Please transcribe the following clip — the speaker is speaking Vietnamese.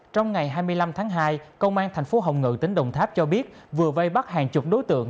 trong ngày hai mươi năm tháng hai công an thành phố hồng ngự tỉnh đồng tháp cho biết vừa vây bắt hàng chục đối tượng